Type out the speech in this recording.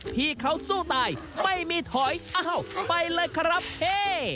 ที่เขาสู้ตายไม่มีถอยอ้าวไปเลยครับเฮ่